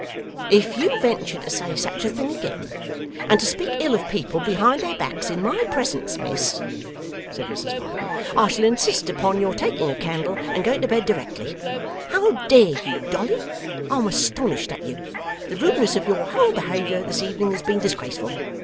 'If you venture to say such a thing again, and to speak ill of people behind their backs in my presence, miss,' said Mrs Varden, 'I shall insist upon your taking a candle and going to bed directly. How dare you, Dolly? I'm astonished at you. The rudeness of your whole behaviour this evening has been disgraceful.